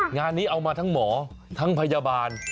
งานนี้เอามาทั้งหมอทั้งพยาบาล